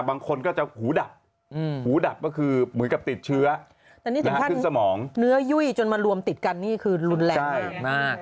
บางคนก็จะหูดับหูดับก็คือเหมือนกับติดเชื้อขึ้นสมองเนื้อยุ่ยจนมารวมติดกันนี่คือรุนแรงใช่มาก